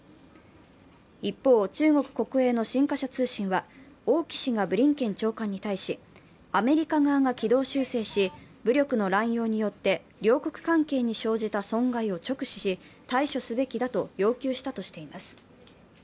一方、中国国営の新華社通信は、王毅氏がブリンケン長官に対し、アメリカ側が軌道修正し、武力の乱用によって両国関係に生じた損害を直視し対処すべきだと要求したとしています。